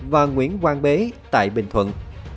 và nguyễn quang bế tại bình thuận